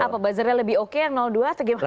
apa buzzernya lebih oke yang dua atau gimana